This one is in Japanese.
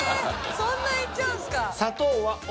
そんないっちゃうんすか。